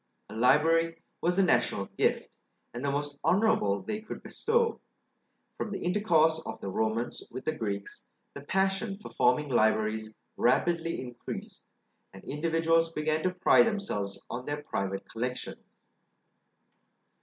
A library was a national gift, and the most honourable they could bestow. From the intercourse of the Romans with the Greeks, the passion for forming libraries rapidly increased, and individuals began to pride themselves on their private collections.